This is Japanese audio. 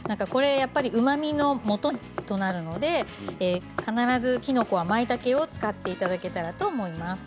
うまみのもととなるので必ずきのこは、まいたけを使っていただけたらと思います。